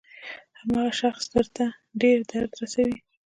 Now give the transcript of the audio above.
هماغه شخص درته ډېر درد رسوي.